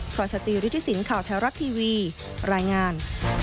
พระอาจารย์จีริทธิสินทร์ข่าวแท้รัฐทีวีรายงาน